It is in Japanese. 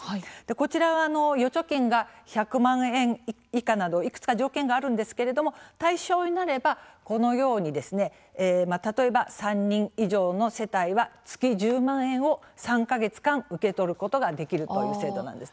こちらは預貯金が１００万円以下などいくつか条件があるんですけれども対象になれば、このように例えば３人以上の世帯は月１０万円を３か月間受け取ることができる制度なんです。